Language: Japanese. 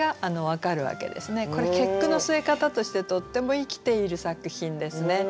これ結句の据え方としてとっても生きている作品ですね。